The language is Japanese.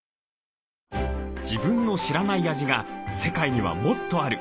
「自分の知らない味が世界にはもっとある」。